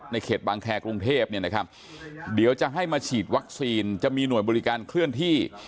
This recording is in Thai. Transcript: เขตบางแครกรุงเทพเนี่ยนะครับเดี๋ยวจะให้มาฉีดวัคซีนจะมีหน่วยบริการเคลื่อนที่